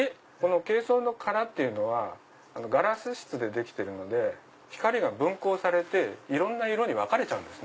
珪藻の殻っていうのはガラス質でできてるので光が分光されていろんな色に分かれちゃうんです。